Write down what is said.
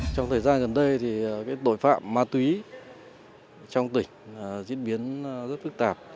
trong thời gian gần đây thì tội phạm ma túy trong tỉnh diễn biến rất phức tạp